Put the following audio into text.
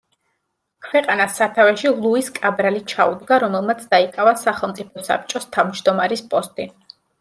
ქვეყანას სათავეში ლუის კაბრალი ჩაუდგა, რომელმაც დაიკავა სახელმწიფო საბჭოს თავმჯდომარის პოსტი.